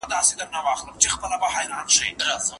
او په خمارو ماښامونو کې به ځان ووينم